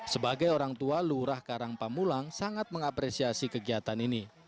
sebagai orang tua lurah karangpamulang sangat mengapresiasi kegiatan ini